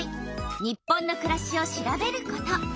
「日本のくらし」を調べること。